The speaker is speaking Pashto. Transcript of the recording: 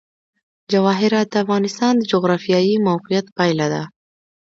جواهرات د افغانستان د جغرافیایي موقیعت پایله ده.